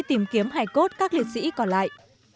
tìm kiếm hải cốt các liệt sĩ còn lại